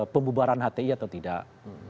pembubaran hti atau tidak